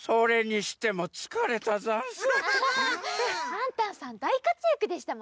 パンタンさんだいかつやくでしたもんね！